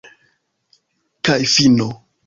Kaj fino.